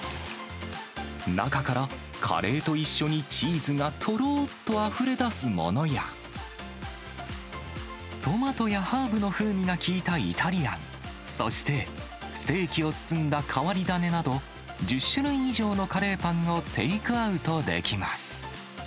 中からカレーと一緒に、チーズがとろーっとあふれ出すものや、トマトやハーブの風味が効いたイタリアン、そしてステーキを包んだ変わり種など、１０種類以上のカレーパンをテイクアウトできます。